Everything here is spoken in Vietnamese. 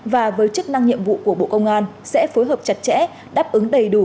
và với chức năng nhiệm vụ của bộ công an sẽ phối hợp chặt chẽ đáp ứng đầy đủ